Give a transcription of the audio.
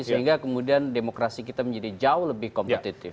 sehingga kemudian demokrasi kita menjadi jauh lebih kompetitif